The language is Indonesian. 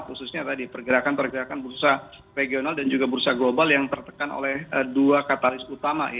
khususnya tadi pergerakan pergerakan bursa regional dan juga bursa global yang tertekan oleh dua katalis utama